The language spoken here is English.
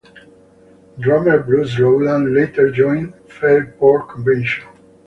Drummer Bruce Rowland later joined Fairport Convention.